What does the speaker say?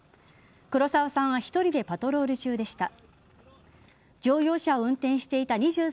黒澤さんは１人でパトロール中でした。